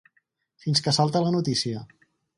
Fins que salta la notícia.